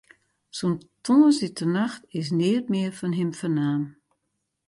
Sûnt tongersdeitenacht is neat mear fan him fernaam.